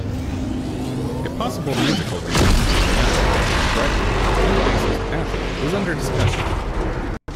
A possible musical reunion with Agnelli, Brighton, and bassist Athey is under discussion.